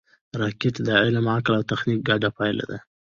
راکټ د علم، عقل او تخنیک ګډه پایله ده